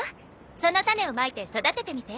そのタネをまいて育ててみて。